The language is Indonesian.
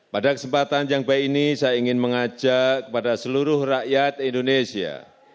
pada kesempatan yang baik ini saya ingin mengajak kepada seluruh rakyat indonesia